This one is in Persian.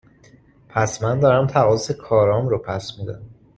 پس من دارم تقاص کارام رو پس می دم؟